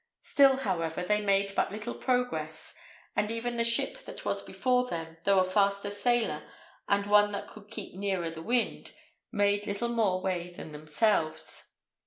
Still, however, they made but little progress; and even the ship that was before them, though a faster sailer and one that could keep nearer the wind, made little more way than themselves.